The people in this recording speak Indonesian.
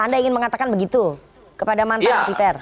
anda ingin mengatakan begitu kepada mantan pepiter